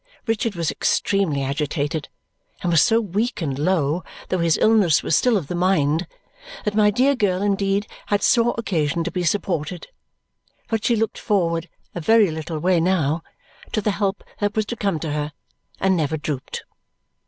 Richard was extremely agitated and was so weak and low, though his illness was still of the mind, that my dear girl indeed had sore occasion to be supported. But she looked forward a very little way now to the help that was to come to her, and never drooped.